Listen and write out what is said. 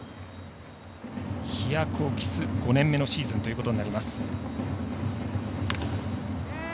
飛躍を期す５年目のシーズンということになります。